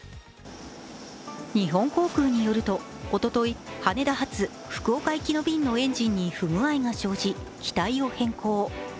日本航空によるとおととい、羽田発福岡行きの便のエンジンに不具合が生じ機体を変更。